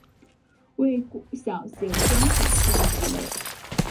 为小型观赏性鱼类。